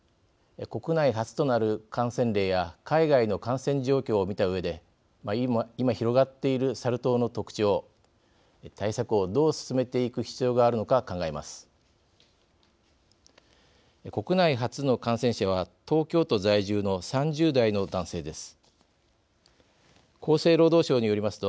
国内初となる感染例や海外の感染状況を見たうえで今、広がっているサル痘の特徴対策をどう進めていく必要があるのか考えます。